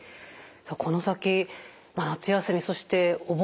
この先夏休みそしてお盆。